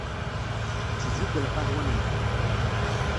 Itezzu-d lqahwa n lḥebb.